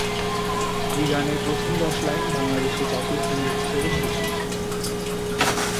এই গানের প্রথম দশ লাইন বাংলাদেশের জাতীয় সঙ্গীত হিসেবে স্বীকৃত।